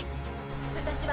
私は。